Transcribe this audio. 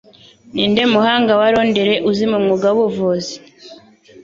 Ninde Muhanga wa Londres uzwi mu mwuga Wubuvuzi